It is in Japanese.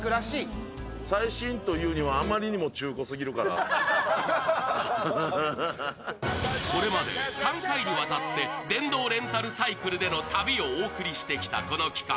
それがこれまで３回にわたって電動レンタルサイクルでの旅をお送りしてきたこの企画。